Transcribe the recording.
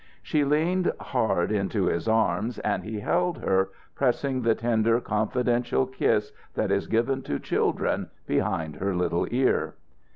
She leaned, hard, into his arms, and he held her, pressing the tender, confidential kiss that is given to children behind her little ear.